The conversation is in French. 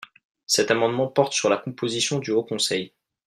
Cet amendement porte sur la composition du Haut conseil.